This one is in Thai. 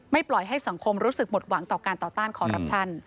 ปล่อยให้สังคมรู้สึกหมดหวังต่อการต่อต้านคอรัปชั่น